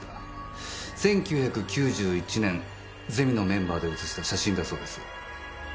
１９９１年ゼミのメンバーで写した写真だそうです。